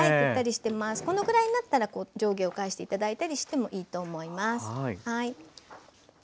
このくらいになったら上下を返して頂いたりしてもいいと思います。